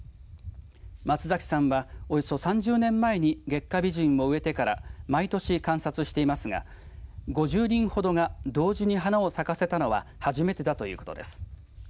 松崎さんはおよそ３０年前に月下美人を植えてから毎年観察していますが５０輪ほどが同時に花を咲かせたのは初めてだということです。